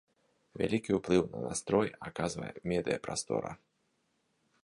Вялікі ўплыў на настроі аказвае медыяпрастора.